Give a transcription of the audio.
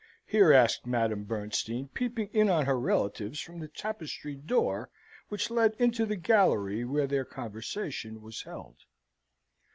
here asked Madame Bernstein, peeping in on her relatives from the tapestried door which led into the gallery where their conversation was held.